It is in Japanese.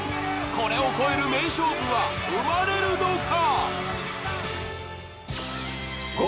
これを超える名勝負は生まれるのか